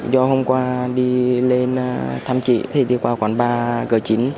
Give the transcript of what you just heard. do hôm qua đi lên thăm chị thì đi qua quán bar g chín